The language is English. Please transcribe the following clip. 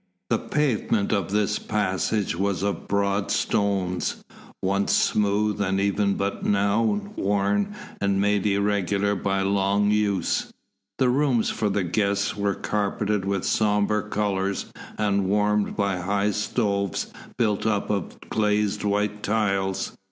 The pavement of this passage was of broad stones, once smooth and even but now worn and made irregular by long use. The rooms for the guests were carpeted with sober colours and warmed by high stoves built up of glazed white tiles.